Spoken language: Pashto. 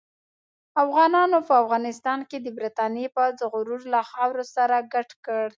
افغانانو په افغانستان کې د برتانیې پوځ غرور له خاورو سره ګډ کړ.